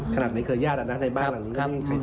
ขนาดในเคยยาดในบ้านหลังนี้ไม่มีใครสนิท